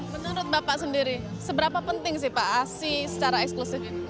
menurut bapak sendiri seberapa penting sih pak asi secara eksklusif ini